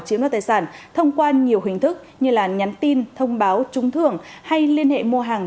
chiếm đoạt tài sản thông qua nhiều hình thức như nhắn tin thông báo trúng thưởng hay liên hệ mua hàng